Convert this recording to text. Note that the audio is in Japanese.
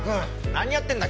何やってるんだ？